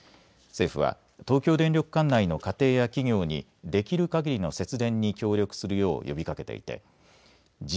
政府は東京電力管内の家庭や企業にできるかぎりの節電に協力するよう呼びかけていて